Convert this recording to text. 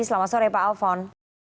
selamat sore pak alfon